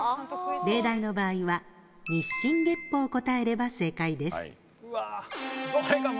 例題の場合は日進月歩を答えれば正解です。